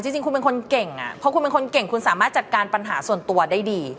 จริงคุณเป็นคนเก่งเพราะคุณเป็นคนเก่งคุณสามารถจัดการปัญหาส่วนตัวได้ดี